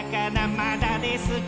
まだですか？」